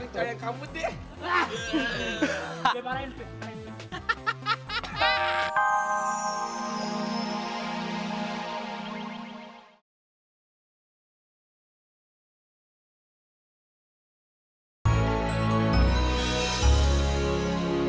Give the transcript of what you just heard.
janganlah berlipur lagi